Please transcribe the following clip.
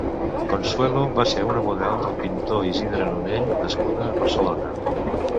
Consuelo va ser una model del pintor Isidre Nonell nascuda a Barcelona.